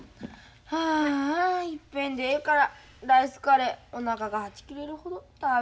ああ一遍でええからライスカレーおなかがはち切れるほど食べたいな。